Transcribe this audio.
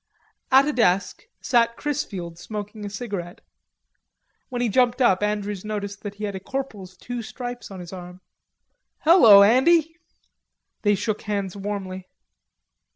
At a desk sat Chrisfield smoking a cigarette. When he jumped up Andrews noticed that he had a corporal's two stripes on his arm. "Hello, Andy." They shook hands warmly.